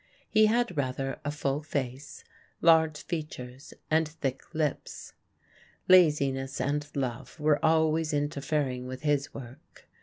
He had rather a full face, large features, and thick lips. Laziness and love were always interfering with his work.